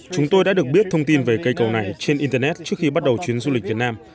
chúng tôi đã được biết thông tin về cây cầu này trên internet trước khi bắt đầu chuyến du lịch việt nam